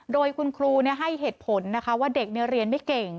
โดยคุณครูให้เหตุผลนะคะว่าเด็กเรียนไม่เก่ง